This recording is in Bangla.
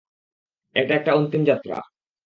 এটা একটা অন্তিম যাত্রা।